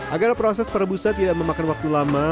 agar proses perebusan tidak memakan waktu lama